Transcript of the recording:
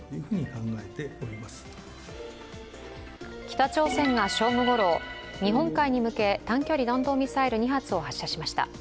北朝鮮が正午ごろ日本海に向け短距離弾道ミサイル２発を発射しました。